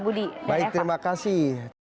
budi terima kasih